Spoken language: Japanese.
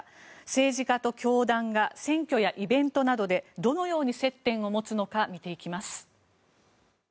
政治家と教団が選挙やイベントなどでどのように接点を持つのか見ていきます。